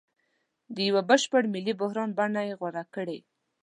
د یوه بشپړ ملي بحران بڼه یې غوره کړې.